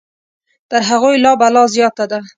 تر هغوی لا بلا زیاته ده.